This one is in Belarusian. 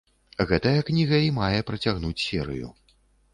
Гэтая кніга і мае працягнуць серыю.